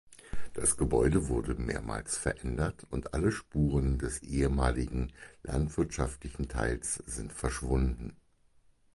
Das Gebäude wurde mehrmals verändert und alle Spuren des ehemaligen landwirtschaftlichen Teils sind verschwunden.